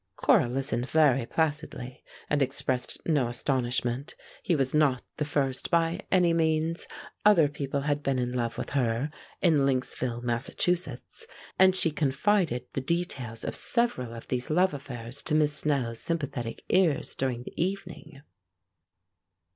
Cora listened very placidly, and expressed no astonishment. He was not the first by any means; other people had been in love with her in Lynxville, Massachusetts, and she confided the details of several of these love affairs to Miss Snell's sympathetic ears during the evening.